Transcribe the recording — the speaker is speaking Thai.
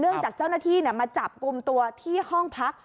เนื่องจากเจ้าหน้าที่เนี่ยมาจับกลุ่มตัวที่ห้องพัก